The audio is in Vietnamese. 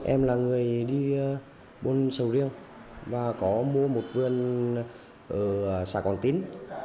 em là người đi buôn sầu riêng và có mua một vườn ở xã quảng tín